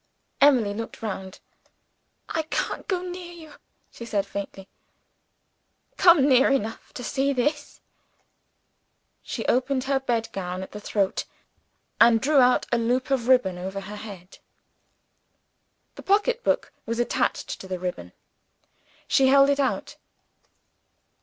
Emily looked round. "I can't go near you," she said, faintly. "Come near enough to see this." She opened her bed gown at the throat, and drew up a loop of ribbon over her head. 'The pocketbook was attached to the ribbon. She held it out.